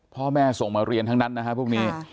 พ่อแม่ส่งมาเรียนทั้งนั้นนะฮะพวกนี้